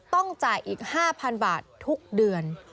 ต้องจ่ายอีก๕๐๐๐บาททุกเดือน